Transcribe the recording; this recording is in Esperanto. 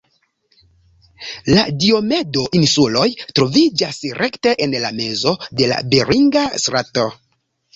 La Diomedo-insuloj troviĝas rekte en la mezo de la Beringa Strato.